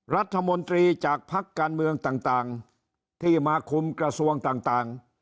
รัฐมนตรีจากภักดิ์การเมืองต่างที่มาคุมกระทรวงต่าง